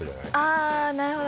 あなるほど。